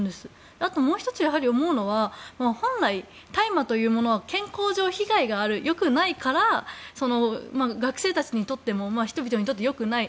あともう１つ思うのは本来大麻というものは健康上被害があるよくないから学生たちにとっても人々にとってもよくない。